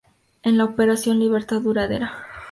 En la operación Libertad duradera.